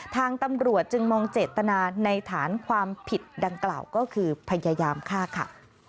ทางตำรวจจึงมองเจตนาในฐานความผิดดังกล่าวก็คือพยายามฆ่าค่ะ